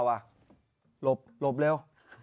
หลบเล่ว